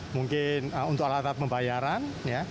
mungkin untuk alat alat pembayaran